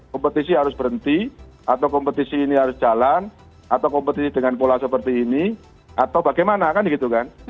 kompetisi harus berhenti atau kompetisi ini harus jalan atau kompetisi dengan pola seperti ini atau bagaimana kan gitu kan